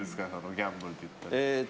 ギャンブルでいったら。